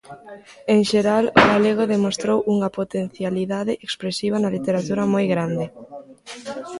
En xeral, o galego demostrou unha potencialidade expresiva na literatura moi grande.